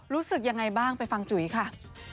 รู้สึกยังไงบ้างไปฟังจุ๋ยค่ะ